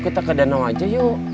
kita ke danau aja yuk